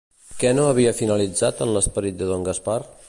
Què no havia finalitzat en l'esperit de don Gaspar?